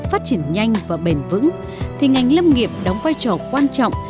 phát triển nhanh và bền vững thì ngành lâm nghiệp đóng vai trò quan trọng